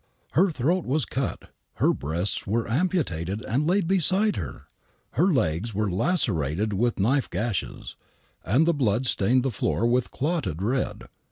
Her throat was cut, her breasts were amputated and lay beside her, her legs were lacerated with knife gashes, and the blood stained the floor with clotted red.